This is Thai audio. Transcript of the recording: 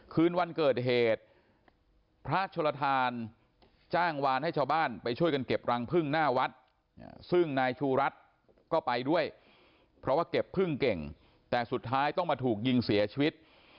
คืนวันเกิดเหตุพระชนลทานจ้างวานให้ชาวบ้านไปช่วยกันเก็บรังพึ่งหน้าวัดซึ่งนายชูรัฐก็ไปด้วยเพราะว่าเก็บพึ่งเก่งแต่สุดท้ายต้องมาถูกยิงเสียชีวิต